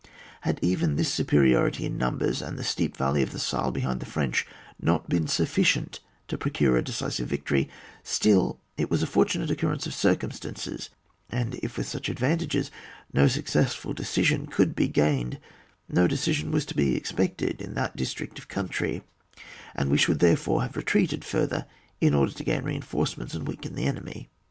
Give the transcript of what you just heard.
Had even this supe* riority in numbers, and the steep valley of the Saal behind the French not been sufficient to procure a decisive victory, still it was a fortunate concurrence of cir cumstances, and if with such advantages no successful decision could be gained, no decision was to be expected in that dis trict of country; and we should, therefore, have retreated further, in order to gain reinforcements and weaken the enemy.